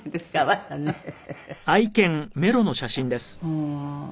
うん。